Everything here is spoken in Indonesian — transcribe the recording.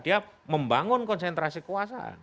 dia membangun konsentrasi kekuasaan